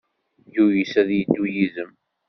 Yuyes ad yeddu yid-m.